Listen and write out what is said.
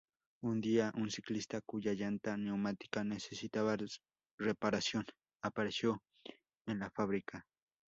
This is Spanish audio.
Un día, un ciclista cuya llanta neumática necesitaba reparación apareció en la fábrica.